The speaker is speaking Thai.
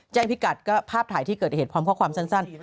พิกัดก็ภาพถ่ายที่เกิดเหตุพร้อมข้อความสั้น